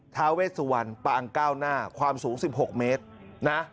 ท้าเวสวรรณปางเก้าหน้าความสูง๑๖เมตรนะ